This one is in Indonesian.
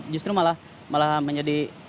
justru malah menjadi